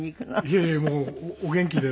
いやいやもうお元気で。